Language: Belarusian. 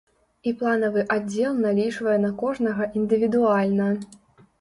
І планавы аддзел налічвае на кожнага індывідуальна.